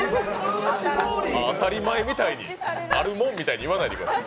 当たり前みたいに、あるもんみたいに言わないでください。